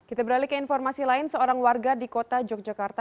kita beralih ke informasi lain seorang warga di kota yogyakarta